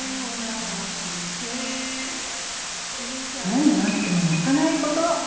何があっても泣かないこと。